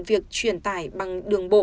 việc truyền tải bằng đường bộ